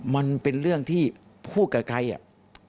มันเป็นเรื่องที่ภูมิกับใครนี่